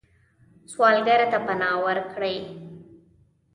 سوالګر ته پناه ورکوئ